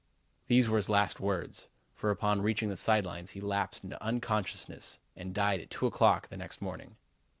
These were his last words, for upon reaching the side lines he lapsed into unconsciousness and died at two o'clock the next morning.